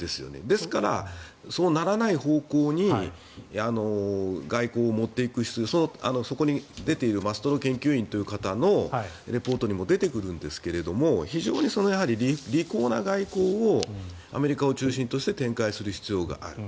ですから、そうならない方向に外交を持っていくそこに出ているマストロ研究員という方のリポートにも出てきますが非常に利口な外交をアメリカを中心として展開する必要がある。